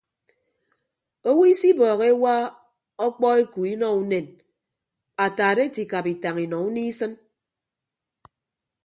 Owo isibọọhọ ewa okpọ eku inọ unen ataat ete ikap itañ inọ unie isịn.